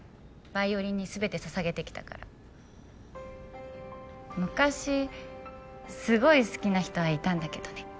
ヴァイオリンに全て捧げてきたから昔すごい好きな人はいたんだけどね